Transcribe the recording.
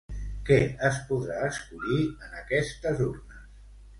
Què es podrà escollir en aquestes urnes?